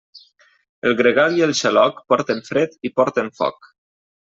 El gregal i el xaloc porten fred i porten foc.